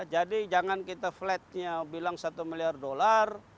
jadi jangan kita flatnya bilang satu miliar dollar